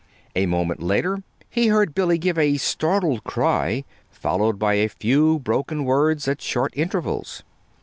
A moment later he heard Billy give a startled cry, followed by a few broken words at short intervals.